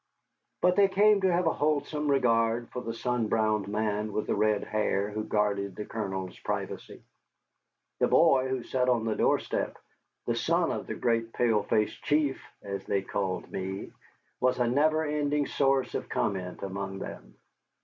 But they came to have a wholesome regard for the sun browned man with the red hair who guarded the Colonel's privacy. The boy who sat on the door step, the son of the great Pale Face Chief (as they called me), was a never ending source of comment among them.